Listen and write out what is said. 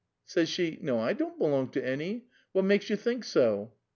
Says she, ' No, I don't belong to anj . What makes you think so